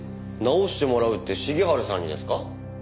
直してもらうって重治さんにですか？